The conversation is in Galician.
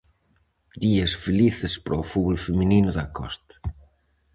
Días felices para o fútbol feminino da Costa.